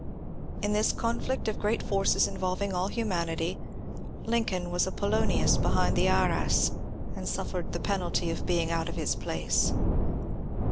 In this conflict of great forces involving \ 206 MONCURE DANIEL CONWAY all humanity, Lincoln was a Polonius behind the arras, and suffered the penalty of being out of his place."